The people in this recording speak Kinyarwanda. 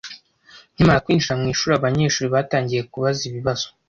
Nkimara kwinjira mu ishuri, abanyeshuri batangiye kubaza ibibazo.